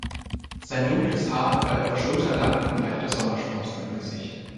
Sein dunkles Haar war etwa schulterlang und er hatte Sommersprossen im Gesicht.